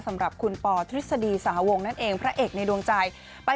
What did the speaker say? สำหรับคุณปอทฤษฎีสาวงนั่นเองพระเอกในดวงใจ